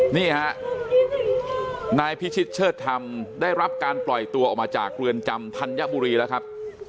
นี่ฮะนายพิชิตเชิดธรรมได้รับการปล่อยตัวออกมาจากเรือนจำธัญบุรีแล้วครับ